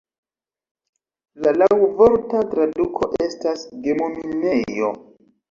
La laŭvorta traduko estas "gemo-minejo".